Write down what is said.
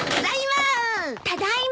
ただいま！